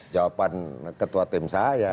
jawaban ketua tim saya